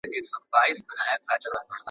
په بدل کي دي غوايي دي را وژلي!